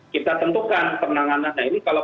kita tentukan penanganan nah ini kalau